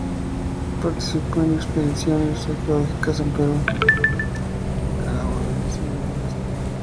Participó en expediciones arqueológicas en Perú, Panamá, Nicaragua, Belice y Honduras.